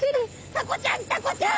タコちゃんタコちゃん！